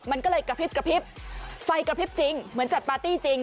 มันก็เลยกระพริบกระพริบไฟกระพริบจริงเหมือนจัดปาร์ตี้จริง